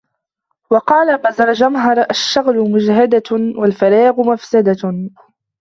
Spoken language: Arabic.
وَقَالَ بَزَرْجَمْهَر الشَّغْلُ مَجْهَدَةٌ وَالْفَرَاغُ مَفْسَدَةٌ